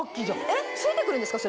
えっ付いて来るんですか？